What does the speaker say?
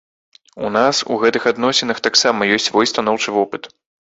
У нас у гэтых адносінах таксама ёсць свой станоўчы вопыт.